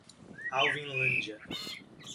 Alvinlândia